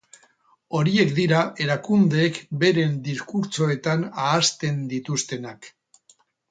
Horiek dira erakundeek beren diskurtsoetan ahazten dituztenak.